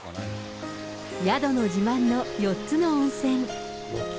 宿の自慢の４つの温泉。